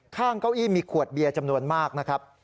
เก้าอี้มีขวดเบียร์จำนวนมากนะครับ